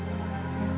ya pak adrian